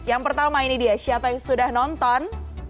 yang pertama ini dia siapa yang sudah nonton